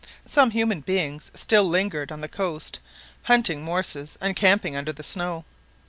Some human beings still lingered on the coast hunting morses and camping under the snow.